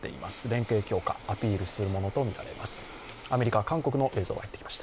連携強化、アピールするものとみられます。